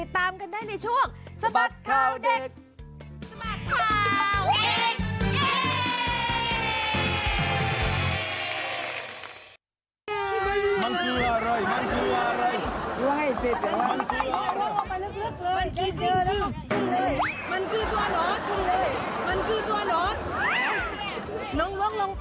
ทั้งเบะทั้งร้อง